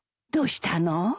どうしたの？